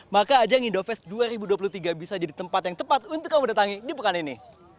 maka ajang indofest dua ribu dua puluh tiga bisa jadi tempat yang tepat untuk kamu datangi di pekan ini